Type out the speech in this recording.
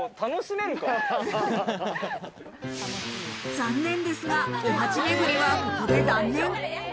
残念ですが、お鉢めぐりはここで断念。